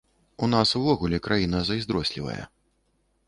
У нас увогуле краіна зайздрослівая.